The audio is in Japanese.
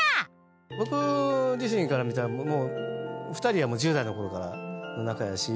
僕自身から見たらもう２人は１０代のころからの仲やし。